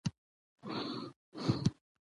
چې د هغه وخت د هوایي قوتونو مشر ؤ